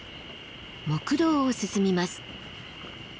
木道を進みます。